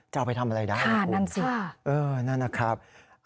จะเอาไปทำอะไรได้นั่นสินั่นนะครับ